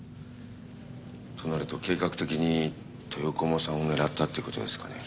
となると計画的に豊駒さんを狙ったっていうことですかね。